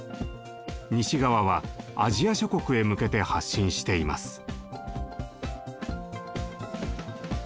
西側はアジア諸国へ向けて発信しています。